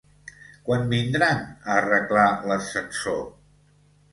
Quan vindran a arreglar l'ascensor?